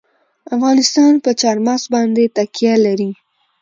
افغانستان په چار مغز باندې تکیه لري.